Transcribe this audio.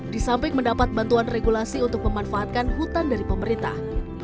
disamping mendapat bantuan regulasi untuk memanfaatkan hutan dari pemerintah